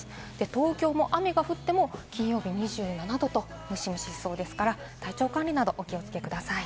東京も雨が降っても金曜日２７度と、ムシムシしそうですから、体調管理などにお気をつけください。